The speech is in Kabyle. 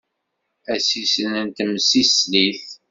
Asissen n temsislit.